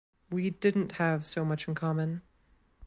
We didn’t have so much in common.